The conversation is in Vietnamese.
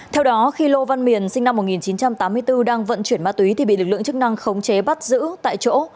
theo đó khi lô văn miền sinh năm một nghìn chín trăm tám mươi bốn đang vận chuyển ma túy thì bị lực lượng chức năng khống chế bắt giữ tại chỗ